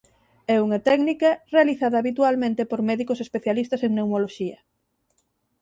É unha técnica realizada habitualmente por médicos especialistas en pneumoloxía.